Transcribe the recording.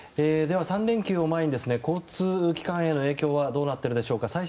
では、３連休を前に交通機関への影響はどうなっているでしょうか。